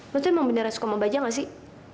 lo tuh emang beneran suka sama bajang gak sih